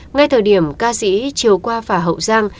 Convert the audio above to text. ngay thời điểm ca sĩ chiều qua phà hậu giang